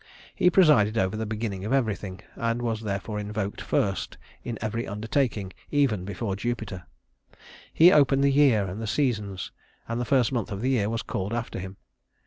He presided over the beginning of everything, and was therefore invoked first in every undertaking even before Jupiter. He opened the year and the seasons, and the first month of the year was called after him.